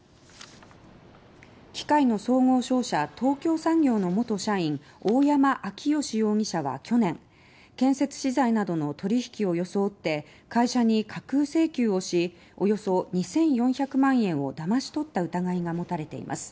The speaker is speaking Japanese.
機械の総合商社東京産業の元社員大山彰義容疑者は去年建設資材などの取引を装って会社に架空請求をしおよそ２４００万円をだまし取った疑いが持たれています。